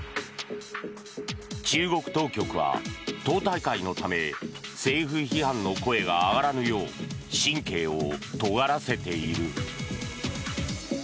中国当局は、党大会のため政府批判の声が上がらぬよう神経をとがらせている。